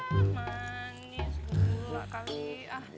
ya manis dulu lah kali ini ya